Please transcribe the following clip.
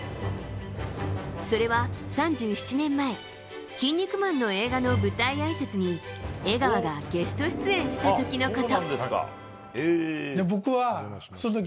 それは３７年前「キン肉マン」の映画の舞台あいさつに江川がゲスト出演した時のこと。